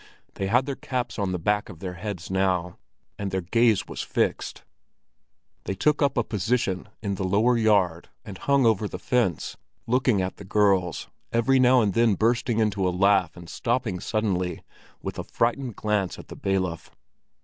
They had their caps on the back of their heads now, and their gaze was fixed. They took up a position in the lower yard, and hung over the fence, looking at the girls, every now and then bursting into a laugh and stopping suddenly, with a frightened glance at the bailiff.